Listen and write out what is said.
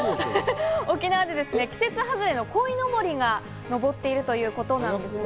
沖縄で季節外れのこいのぼりが上っているということなんですが。